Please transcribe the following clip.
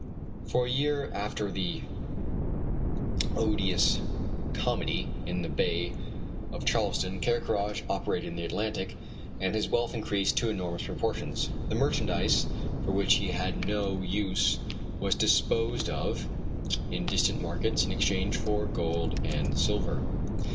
For a year after the odious comedy in the bay of Charleston Ker Karraje operated in the Atlantic, and his wealth increased to enormous proportions. The merchandise for which he had no use was disposed of in distant markets in exchange for gold and silver.